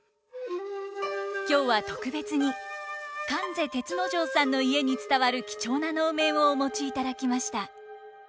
今日は特別に観世銕之丞さんの家に伝わる貴重な能面をお持ちいただきました。